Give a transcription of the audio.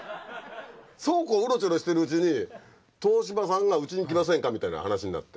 そうこううろちょろしてるうちに東芝さんがうちに来ませんかみたいな話になって。